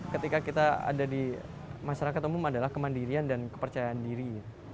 ketika kita ada di masyarakat umum adalah kemandirian dan kepercayaan diri